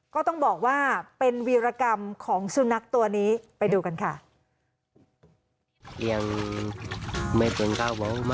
ก็ต้องบอกว่าเป็นวีรกรรมของสุนัขตัวนี้ไปดูกันค่ะ